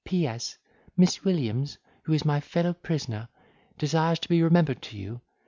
"P. S. Miss Williams, who is my fellow prisoner, desires to be remembered to you.